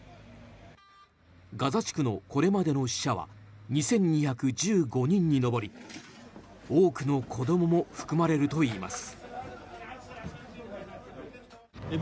ガザ地区のこれまでの死者は２２１５人に上り多くの子供も含まれるといいます。